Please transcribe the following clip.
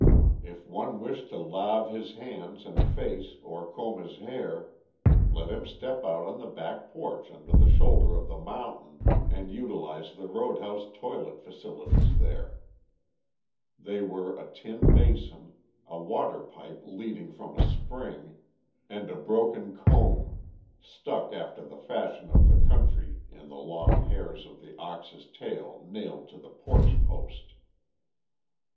If one wished to lave his hands and face or comb his hair let him step out on the back porch under the shoulder of the mountain and utilize the road house toilet facilities there: they were a tin basin, a water pipe leading from a spring and a broken comb stuck after the fashion of the country in the long hairs of the ox's tail nailed to the porch post.